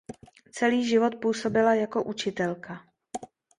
Celý život působila jako učitelka.